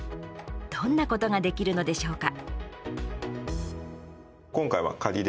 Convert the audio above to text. どんなことができるのでしょうか。